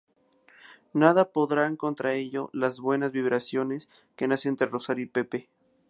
Nada podrán contra ello las buenas vibraciones que nacen entre Rosario y Pepe.